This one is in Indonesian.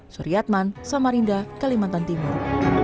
suryatman samarinda kalimantan timur